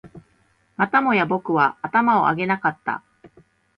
またもや僕は頭を上げなかった